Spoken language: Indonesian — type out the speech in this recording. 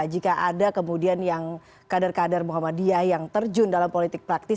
jika ada kemudian yang kader kader muhammadiyah yang terjun dalam politik praktis